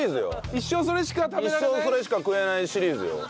一生それしか食えないシリーズよ。